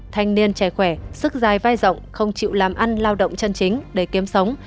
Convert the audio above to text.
thanh niên trẻ khỏe sức dài vai rộng không chịu làm ăn lao động chân chính để kiếm sống